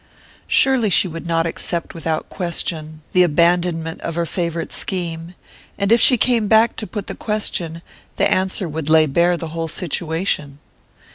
Surely she would not accept without question the abandonment of her favourite scheme; and if she came back to put the question, the answer would lay bare the whole situation....